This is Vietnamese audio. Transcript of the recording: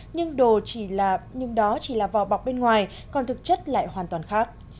nhưng đó chỉ là vò bọc bên ngoài còn thực chất lại hoàn toàn khác